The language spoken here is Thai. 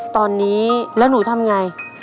ตอนนี้แล้วหนูทำอย่างไร